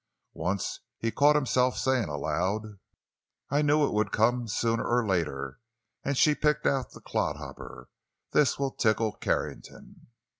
Once he caught himself saying aloud: "I knew it would come, sooner or later. And she's picked out the clodhopper! This will tickle Carrington!"